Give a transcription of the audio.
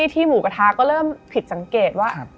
ที่หมูกระทะก็เริ่มผิดสังเกตว่า